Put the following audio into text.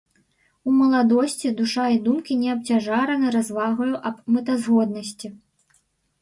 У маладосці душа і думкі не абцяжараны развагаю аб мэтазгоднасці.